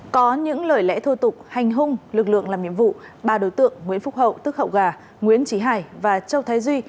có những lời lẽ thô tục hành hung lực lượng làm nhiệm vụ ba đối tượng nguyễn phúc hậu tức hậu gà nguyễn trí hải và châu thái duy